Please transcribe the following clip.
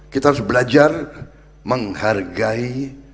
kita harus belajar menghargai